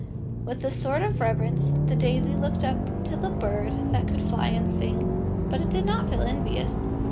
With a sort of reverence the daisy looked up to the bird that could fly and sing, but it did not feel envious.